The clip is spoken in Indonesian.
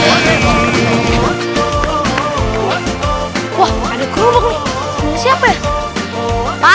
ini gerobok siapa ya